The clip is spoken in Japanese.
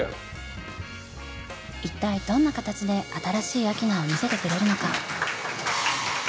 一体どんな形で新しいアキナを見せてくれるのか？